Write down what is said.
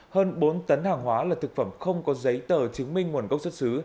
hơn bốn tấn hàng hóa là thực phẩm không có giấy tờ chứng minh nguồn gốc xuất xứ